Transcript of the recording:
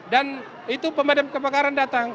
dan itu pemadam kebakaran datang